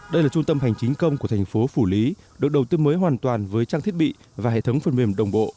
đây là trung tâm hành chính công của thành phố phủ lý được đầu tư mới hoàn toàn với trang thiết bị và hệ thống phần mềm đồng bộ